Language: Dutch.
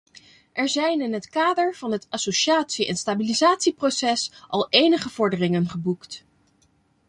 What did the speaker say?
Er zijn in het kader van het associatie- en stabilisatieproces al enige vorderingen geboekt.